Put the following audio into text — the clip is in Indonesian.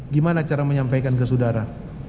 gimana cara menyampaikan ke saudara